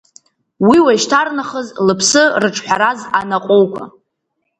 Уи уажәшьҭарнахыс лыԥсы рыҿҳәараз анаҟәоуқәа.